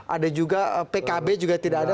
ada juga pkb juga tidak ada